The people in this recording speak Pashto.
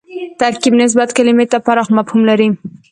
ترکیب نسبت کلیمې ته پراخ مفهوم لري